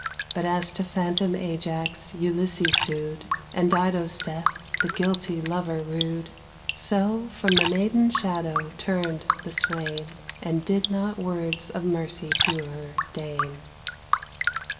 But as to phantom Ajax Ulysses sued, And Dido's death the guilty lover rued, So from the maiden's shadow turned the swain, And did not words of mercy to her deign.